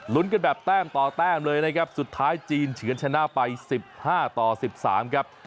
กันแบบแต้มต่อแต้มเลยนะครับสุดท้ายจีนเฉือนชนะไป๑๕ต่อ๑๓ครับ